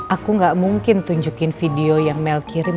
aku gak mungkin tunjukin video yang melk kirim